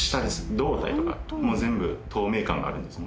胴体とかもう全部透明感があるんですね。